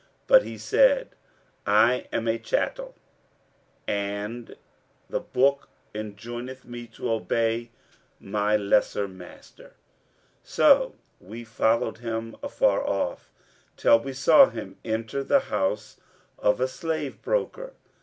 But he said, 'I am a chattel and the Book enjoineth me to obey my lesser master.' So we followed him afar off, till we saw him enter the house of a slave broker.